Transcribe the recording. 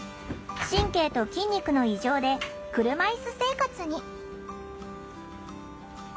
神経と筋肉の異常で車いす生活に。